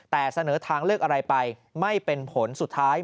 แต่เสนอทางเลือกอะไรไปไม่เป็นผลสุดท้าย